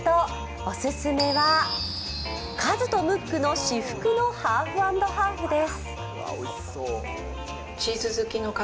オススメはカズとムックの至福のハーフ＆ハーフです。